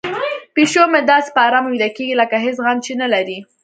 پیشو مې داسې په ارامه ویده کیږي لکه هیڅ غم چې نه لري.